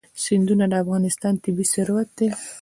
سیندونه د افغانستان طبعي ثروت دی.